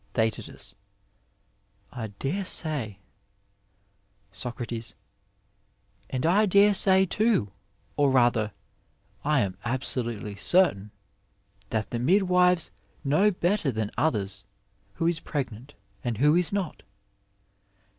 Theast, I dare say. Soc, And I dare say, too, or rather I am absolutely certain, that the midwives know better than others who is pregnant and who IB not